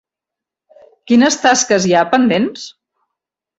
Quines tasques hi ha pendents?